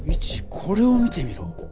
これを見てみろ。